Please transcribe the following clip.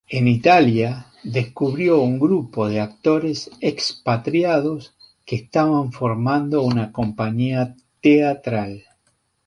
En Italia, descubrió un grupo de actores expatriados que estaban formando una compañía teatral.